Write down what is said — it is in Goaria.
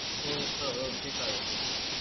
تو ايکر هيو ڇي ڪآئي